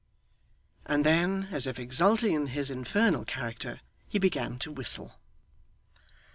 And then, as if exulting in his infernal character, he began to whistle.